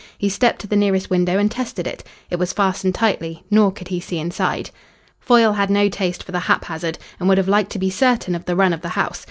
He stepped to the nearest window and tested it. It was fastened tightly, nor could he see inside. Foyle had no taste for the haphazard, and would have liked to be certain of the run of the house.